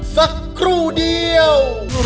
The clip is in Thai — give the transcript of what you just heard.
สักครู่เดียว